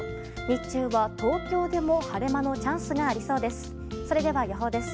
日中は東京でも晴れ間のチャンスがありそうです。